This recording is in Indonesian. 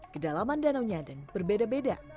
kedalaman danau nyadeng berbeda beda